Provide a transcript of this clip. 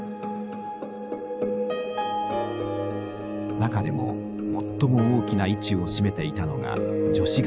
中でも最も大きな位置を占めていたのが女子学生です。